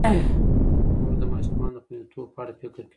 مور د ماشومانو د خوندیتوب په اړه فکر کوي.